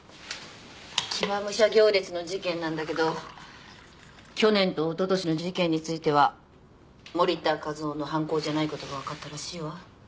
騎馬武者行列の事件なんだけど去年とおととしの事件については盛田和夫の犯行じゃないことが分かったらしいわ。